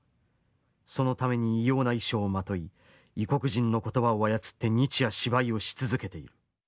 そのために異様な衣装をまとい異国人の言葉を操って日夜芝居をし続けている。